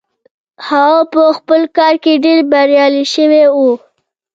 هغه په خپل کار کې ډېر بريالي شوی و.